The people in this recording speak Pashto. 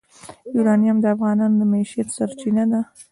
یورانیم د افغانانو د معیشت سرچینه ده.